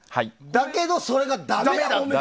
だけどそれがだめだと。